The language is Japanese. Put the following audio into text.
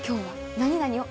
「何々を」